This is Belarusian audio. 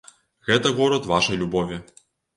Гэта горад вашай любові.